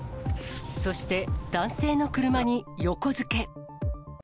そして、男性の車に横付け。